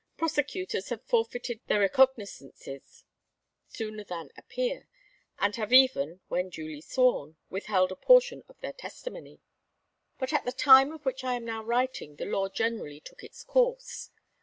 Prosecutors have forfeited their recognizances sooner than appear, and have even, when duly sworn, withheld a portion of their testimony. But at the time of which I am now writing the law generally took its course.